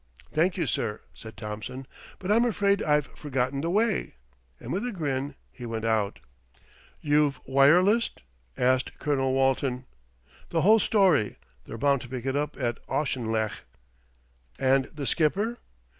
"Thank you, sir," said Thompson; "but I'm afraid I've forgotten the way," and with a grin he went out. "You've wirelessed?" asked Colonel Walton. "The whole story. They're bound to pick it up at Auchinlech." "And the Skipper?"